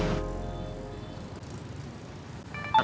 kumpulkan anak buah kalian